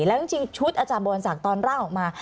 แล้วจริงชุดอาจารย์บวรศักดิ์ตอนร่างออกมา